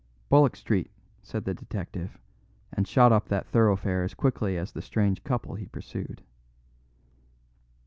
"Bullock Street," said the detective, and shot up that thoroughfare as quickly as the strange couple he pursued.